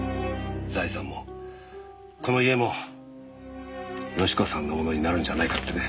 財産もこの家も喜子さんのものになるんじゃないかってね。